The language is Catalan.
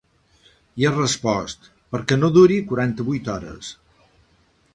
I ha respost: Perquè no duri quaranta-vuit hores.